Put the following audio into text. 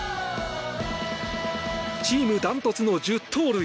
チーム断トツの１０盗塁。